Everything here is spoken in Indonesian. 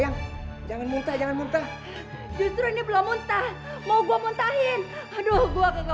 yang jangan muntah muntah justru ini belum muntah mau gue muntahin aduh gua